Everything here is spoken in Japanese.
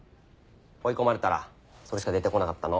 追い込まれたらそれしか出てこなかったの。